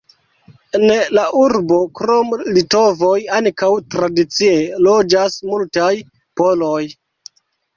En la urbo krom litovoj ankaŭ tradicie loĝas multaj poloj.